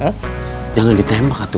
imperfect di rumah itu